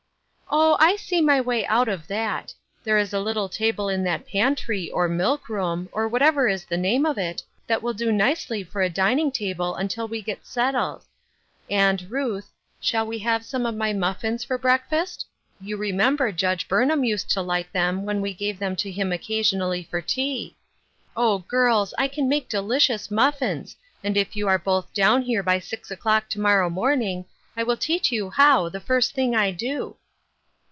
" Oh, T see my way out of that. There is a little table in that pantry, or milk room, or whatever is the name of it, that will do nicely for a dining table until we get settled ; and, Ruth, shall we have some of my muffins foi 324 Ruth Erskine's Crosses. breakfast? You remember Judge Burnham used to like them when we gave them to him occasionally for tea. Oh, girls ! I can make delicious muffins, and if you are both down here by six o'clock to morrow morning I will teach you how, the first thing I do."